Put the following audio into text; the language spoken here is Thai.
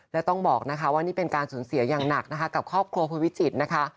และต้องบอกว่านี่เป็นการสูญเสียอย่างหนักกับครอบครัวคุณวิจิตร